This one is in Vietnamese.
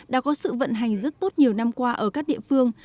đã có sự vận hành rất tốt nhiều năm qua ở các địa phương